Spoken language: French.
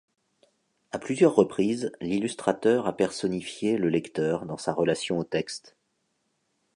À plusieurs reprises, l'illustrateur a personnifié le lecteur dans sa relation au texte.